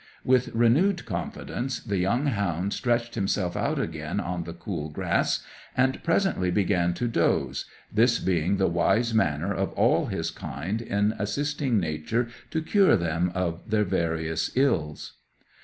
With renewed confidence, the young hound stretched himself out again on the cool grass and presently began to doze, this being the wise manner of all his kind in assisting Nature to cure them of their various ills.